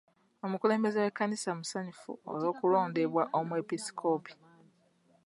Omukulembeze w'ekkanisa musanyufu olw'okulondebwa omwepisikoopi.